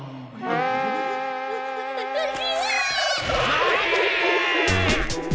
待て！